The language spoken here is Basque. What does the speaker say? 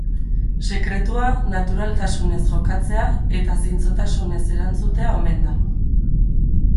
Sekretua naturaltasunez jokatzea eta zintzotasunez erantzutea omen da.